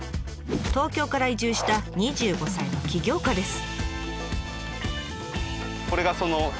東京から移住した２５歳の起業家です。